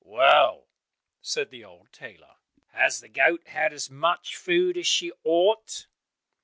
"Well," said the old tailor, "has the goat had as much food as she ought?"